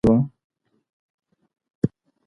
که مورنۍ ژبه وي، نو زده کړه به له خنډونو خالي وي.